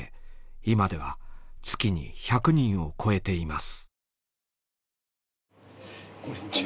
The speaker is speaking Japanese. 今では月に１００人を超えています。